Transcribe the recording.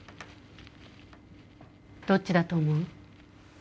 どっちだと思う？